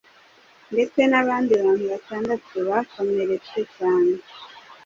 ndetse n'abandi bantu batandatu bakomeretse cyane".